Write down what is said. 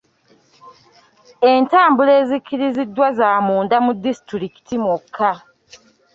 Entambula ezikkiriziddwa za munda mu disitulikiti mwokka.